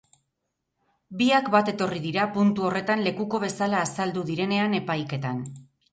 Biak bat etorri dira puntu horretan lekuko bezala azaldu direnean epaiketan.